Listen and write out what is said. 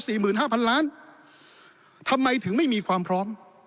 หมื่นห้าพันล้านทำไมถึงไม่มีความพร้อม